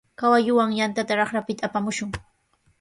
Kawalluwan yantata raqrapita apamushun.